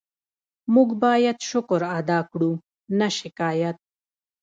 موږ باید شکر ادا کړو، نه شکایت.